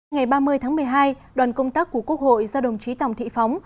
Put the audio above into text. ngày ba mươi tháng một mươi hai đoàn công tác của quốc hội do đồng chí tòng thị phóng